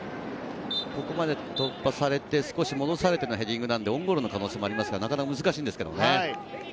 ここまで突破されて、少し戻されてのヘディングなんで、オウンゴールの可能性もありますから難しいんですけどね。